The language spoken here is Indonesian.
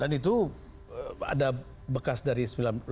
dan itu ada bekas dari seribu sembilan ratus lima puluh lima